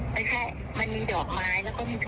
แต่ขนาดที่ลงไปที่บอกว่ายนต์ของทิ้งนะ